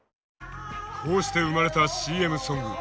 こうして生まれたＣＭソング。